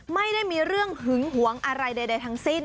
ไม่ได้มีเรื่องหึงหวงอะไรใดทั้งสิ้น